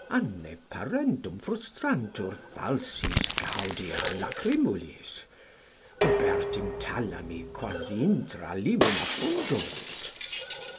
anne parentum Frustrantur falsis gaudia lachrymulis, Ubertim thalami quasi intra limina fundunt?